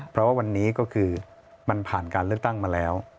เพราะว่าวันนี้ก็คือมันผ่านการเลือกตั้งมาแล้ว